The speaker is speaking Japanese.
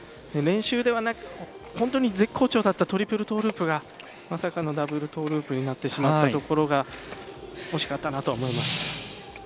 練習では本当に絶好調だったトリプルトーループがまさかのダブルトーループになってしまったところが惜しかったなとは思います。